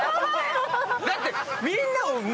だって。